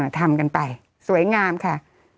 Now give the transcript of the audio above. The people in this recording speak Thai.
ทำกันไปสวยงามค่ะ